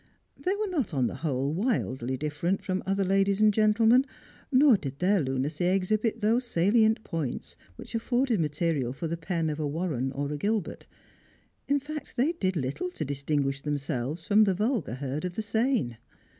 They were not, on the whole, widely different from other ladies and gentlemen, nor did their lunacy exhibit those salient points which afforded material lor the pen of a 356 Strangers and PUgrimtt. Warren or a Gilbert ; in fact, they did little to distinguisli them« selves from the vulgar herd of the sane.